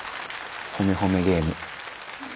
ほめほめゲーム。